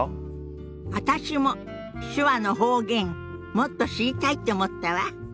私も手話の方言もっと知りたいって思ったわ。